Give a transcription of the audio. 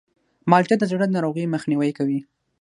مالټه د زړه د ناروغیو مخنیوی کوي.